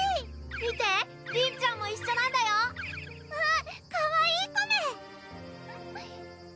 見てりんちゃんも一緒なんだようんかわいいコメ！